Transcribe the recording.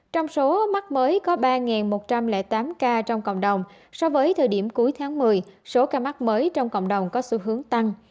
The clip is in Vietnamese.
trong số mắc mới có ba một trăm linh tám ca trong cộng đồng so với thời điểm cuối tháng một mươi số ca mắc mới trong cộng đồng có xu hướng tăng